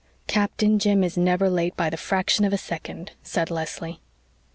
"Captain Jim is never late by the fraction of a second," said Leslie.